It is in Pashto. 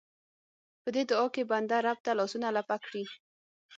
په دې دعا کې بنده رب ته لاسونه لپه کړي.